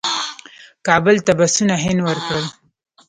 کابل ته بسونه هند ورکړل.